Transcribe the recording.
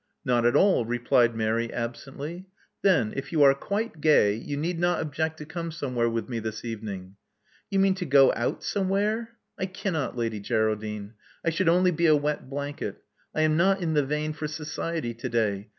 Not at all," replied Mary absently. Then, if you are quite gay, you need not object to come somewhere with me this evening." You mean to go out somewhere? I cannot. Lady Geraldine. I should only be a wet blanket I am not in the vein for society to day.